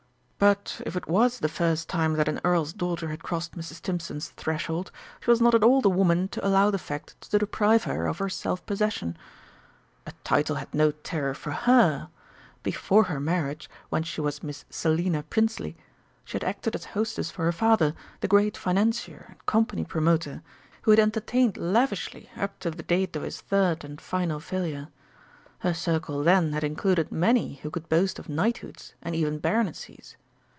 But if it was the first time that an Earl's daughter had crossed Mrs. Stimpson's threshold, she was not at all the woman to allow the fact to deprive her of her self possession. A title had no terror for her. Before her marriage, when she was Miss Selina Prinsley, she had acted as hostess for her father, the great financier and company promoter, who had entertained lavishly up to the date of his third and final failure. Her circle then had included many who could boast of knighthoods, and even baronetcies!